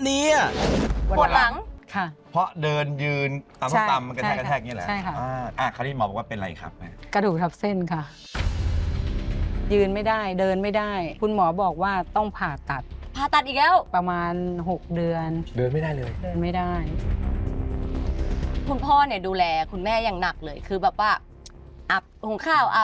โรคหลังค่ะค่ะค่ะค่ะค่ะค่ะค่ะค่ะค่ะค่ะค่ะค่ะค่ะค่ะค่ะค่ะค่ะค่ะค่ะค่ะค่ะค่ะค่ะค่ะค่ะค่ะค่ะค่ะค่ะค่ะค่ะค่ะค่ะค่ะค่ะค่ะค่ะค่ะค่ะค่ะค่ะค่ะค่ะค่ะค่ะค่ะค่ะค่ะค่ะค่ะค่ะค่ะค่ะค